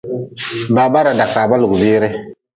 Baba raada kaaba lugʼbire.